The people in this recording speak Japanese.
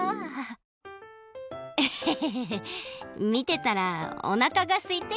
みてたらおなかがすいてきちゃった。